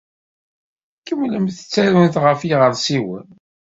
Kemmlent ttarunt ɣef yiɣersiwen.